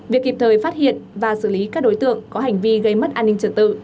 việc kịp thời phát hiện và xử lý các đối tượng có hành vi gây mất an ninh trật tự